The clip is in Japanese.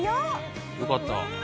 よかった。